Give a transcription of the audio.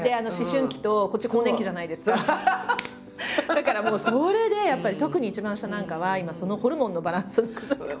だからそれでやっぱり特に一番下なんかは今ホルモンのバランスが崩れるから。